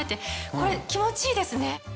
これ気持ちいいですね。